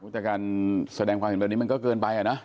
แต่การแสดงความเห็นแบบนี้มันก็เกินไปอ่ะนะ